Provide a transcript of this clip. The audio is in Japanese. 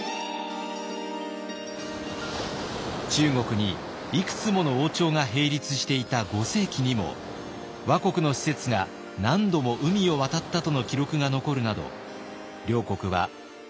中国にいくつもの王朝が並立していた５世紀にも倭国の使節が何度も海を渡ったとの記録が残るなど両国は活発な交流を重ねてきました。